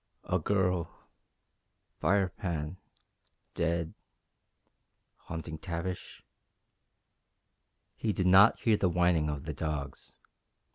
"A girl ... Firepan ... dead ... haunting Tavish...." He did not hear the whining of the dogs.